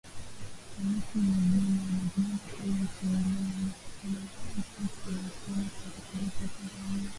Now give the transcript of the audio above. Hamis Mwinjuma anajiona kama mpangilio na wakala wa mabadiliko anayefanya kazi kuelekea Tanzania